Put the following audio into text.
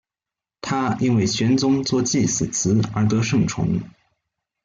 他因为玄宗作祭祀词而得圣宠。